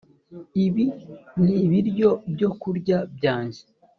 Ibi n ibiryo Byo kurya byanjye